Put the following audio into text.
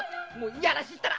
いやらしいったら！